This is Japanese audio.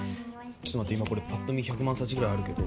ちょっと待って今これパッと見１００万サチぐらいあるけど。